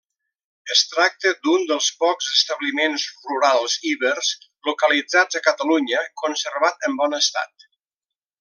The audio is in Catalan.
Es tracta d'un dels pocs establiments rurals ibers localitzats a Catalunya conservat en bon estat.